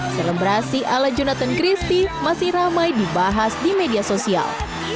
selebrasi ala jonathan christie masih ramai dibahas di media sosial